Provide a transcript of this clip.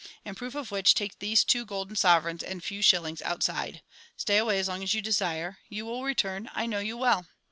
In proof of which, take these two golden sovereigns and few shillings outside. Stay away as long as you desire. You will return, I know you well!